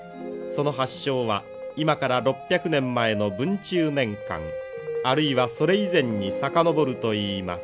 その発祥は今から６００年前の文中年間あるいはそれ以前に遡るといいます。